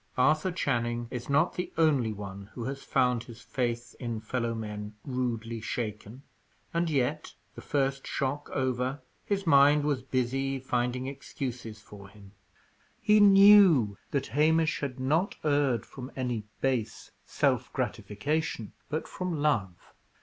Arthur Channing is not the only one who has found his faith in fellow men rudely shaken. And yet, the first shock over, his mind was busy finding excuses for him. He knew that Hamish had not erred from any base self gratification, but from love.